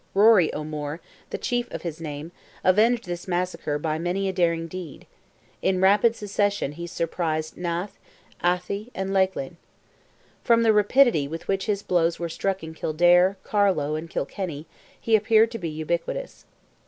Rory O'Moore, the chief of his name, avenged this massacre by many a daring deed. In rapid succession he surprised Naas, Athy, and Leighlin. From the rapidity with which his blows were struck in Kildare, Carlow, and Kilkenny, he appeared to be ubiquitous.